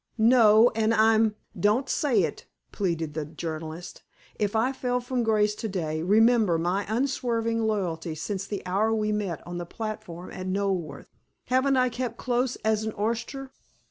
"No, and I'm—" "Don't say it!" pleaded the journalist. "If I fell from grace to day, remember my unswerving loyalty since the hour we met on the platform at Knoleworth! Haven't I kept close as an oyster?